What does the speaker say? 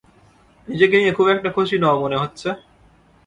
নিজেকে নিয়ে খুব একটা খুশি নও মনে হচ্ছে?